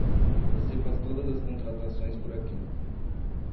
Você faz todas as contratações por aqui.